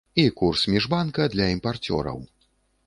І курс міжбанка для імпарцёраў.